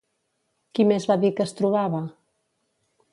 Qui més va dir que es trobava?